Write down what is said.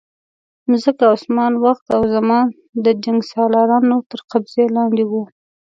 مځکه او اسمان، وخت او زمان د جنګسالارانو تر قبضې لاندې وو.